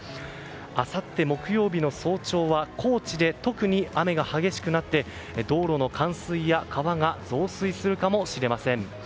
あさって木曜日の早朝は高知で特に雨が激しくなって道路の冠水や川が増水するかもしれません。